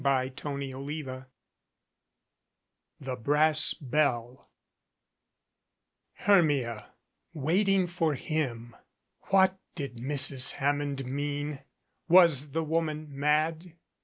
CHAPTER XXVIII THE BRASS BELL HERMIA, waiting for him ! What did Mrs. Ham mond mean? Was the woman mad?